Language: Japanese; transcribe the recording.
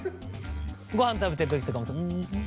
ごはん食べてるときとかもん？